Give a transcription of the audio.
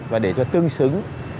và để cho tương xứng